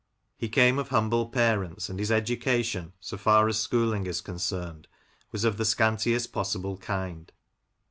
He came of humble parents, and his education, so far as schooling is concerned, was of the scantiest possible kind.